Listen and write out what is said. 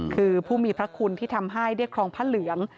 คือผู้มีพระคุณที่ทำให้เรียกครองพระเหลือง